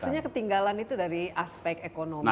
maksudnya ketinggalan itu dari aspek ekonomi